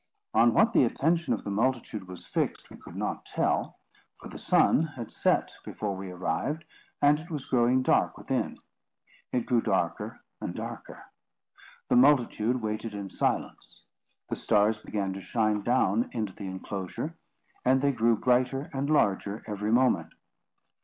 On what the attention of the multitude was fixed, we could not tell, for the sun had set before we arrived, and it was growing dark within. It grew darker and darker. The multitude waited in silence. The stars began to shine down into the enclosure, and they grew brighter and larger every moment.